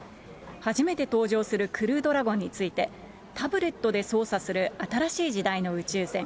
初めて搭乗するクルードラゴンについて、タブレットで操作する新しい時代の宇宙船。